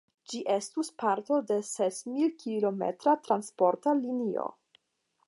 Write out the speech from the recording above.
Ĝi estus parto de sesmil-kilometra transporta linio.